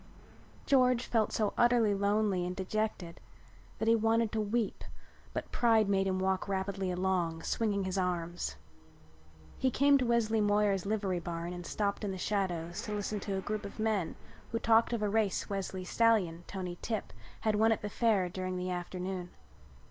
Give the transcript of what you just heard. George felt so utterly lonely and dejected that he wanted to weep but pride made him walk rapidly along, swinging his arms. He came to Wesley Moyer's livery barn and stopped in the shadows to listen to a group of men who talked of a race Wesley's stallion, Tony Tip, had won at the Fair during the afternoon.